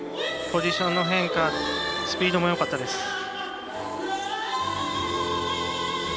ポジションの変化スピードもよかったです。